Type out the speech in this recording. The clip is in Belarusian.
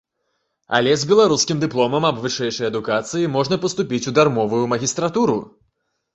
Але з беларускім дыпломам аб вышэйшай адукацыі можна паступіць у дармовую магістратуру.